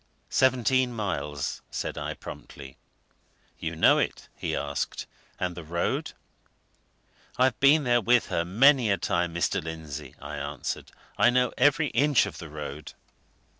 "Seventeen miles," said I, promptly. "You know it?" he asked. "And the road?" "I've been there with her many a time, Mr. Lindsey," I answered. "I know every inch of the road."